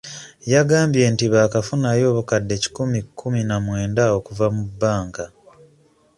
Yagambye nti baakafunawo obukadde kikumi kkumi na mwenda okuva mu banka.